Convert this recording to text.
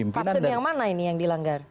maksud yang mana ini yang dilanggar